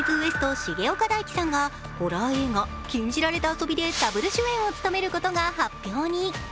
重岡大毅さんがホラー映画「禁じられた遊び」でダブル主演を務めることが発表に。